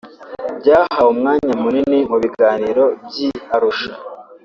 byahawe umwanya munini mu biganiro by’i Arusha